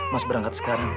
mas berangkat sekarang